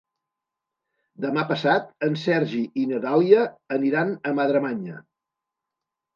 Demà passat en Sergi i na Dàlia aniran a Madremanya.